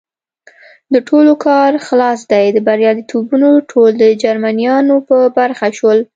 د ټولو کار خلاص دی، بریالیتوبونه ټول د جرمنیانو په برخه شول.